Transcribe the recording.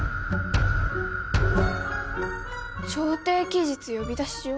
「調停期日呼出状」？